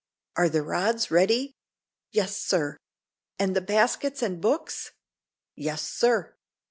Are the rods ready?" "Yes, sir." "And the baskets and books?" "Yes, sir."